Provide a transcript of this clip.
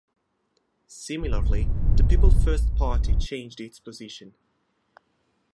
Similarly, the People First Party changed its position.